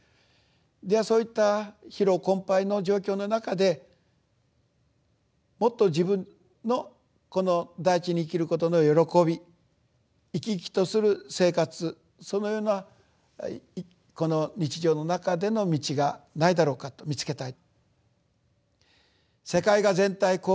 ではそういった疲労困ぱいの状況の中でもっと自分のこの大地に生きることの喜び生き生きとする生活そのようなこの日常の中での道がないだろうかと見つけたい。